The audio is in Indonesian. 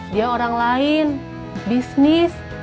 dia orang lain bisnis